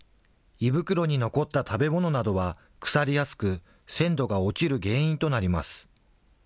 胃袋に残った食べ物などは腐りやすく、鮮度が落ちる原因となります。